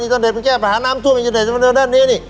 อินเตอร์เน็ตมันจะแก้ปัญหาน้ำทั่วอินเตอร์เน็ตด้านนี้